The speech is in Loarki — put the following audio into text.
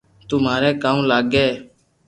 تو ماري ڪاو لاگي